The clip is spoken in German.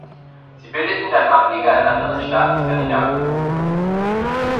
Sie bildeten dann Ableger in anderen Staaten Skandinaviens.